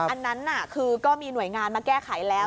อันนั้นคือก็มีหน่วยงานมาแก้ไขแล้ว